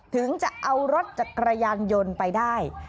ถึงจะเอารถจักรยานยนต์ไปได้